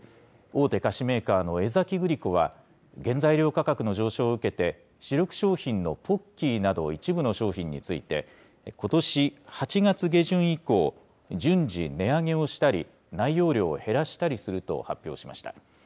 大手菓子メーカーの江崎グリコは、原材料価格の上昇を受けて、主力商品のポッキーなど一部の商品について、ことし８月下旬以降、順次値上げをしたり、内容量を減らしたりすると発表しました。